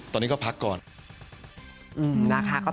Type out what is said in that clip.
ตอนนี้ก็จะพักก่อน